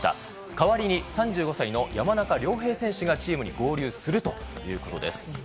代わりに３５歳の山中亮平選手がチームに合流するということです。